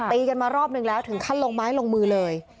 ตีกันมารอบนึงแล้วถึงขั้นลงไม้ลงมือเลย